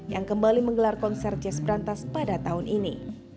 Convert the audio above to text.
yang kembali menggelar konser jazz berantas pada tahun ini